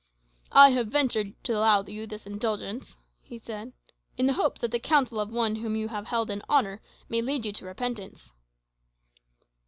"I have ventured to allow you this indulgence," he said, "in the hope that the counsels of one whom you hold in honour may lead you to repentance."